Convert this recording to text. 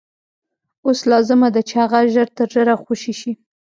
اوس لازمه ده چې هغه ژر تر ژره خوشي شي.